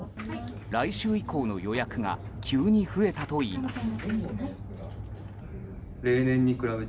来週以降の予約が急に増えたといいます。